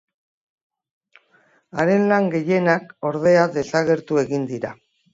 Haren lan gehienak, ordea, desagertu egin dira.